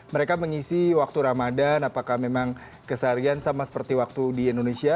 mereka mengisi waktu ramadan apakah memang keseharian sama seperti waktu di indonesia